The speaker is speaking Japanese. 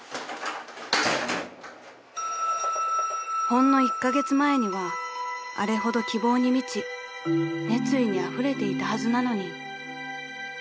［ほんの１カ月前にはあれほど希望に満ち熱意にあふれていたはずなのに］